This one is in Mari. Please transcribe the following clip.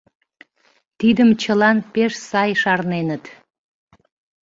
Тидым чылан пеш сай шарненыт.